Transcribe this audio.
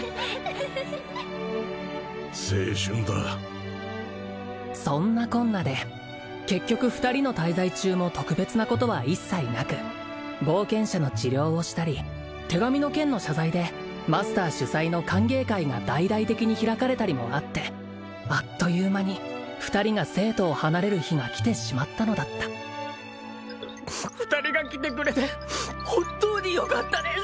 青春だそんなこんなで結局二人の滞在中も特別なことは一切なく冒険者の治療をしたり手紙の件の謝罪でマスター主催の歓迎会が大々的に開かれたりもあってあっという間に二人が聖都を離れる日が来てしまったのだった二人が来てくれて本当によかったです